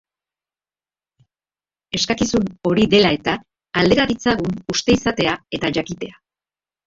Eskakizun hori delaeta, aldera ditzagun uste izatea eta jakitea.